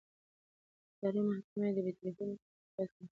اداري محکمې د بېطرفۍ مکلفیت لري.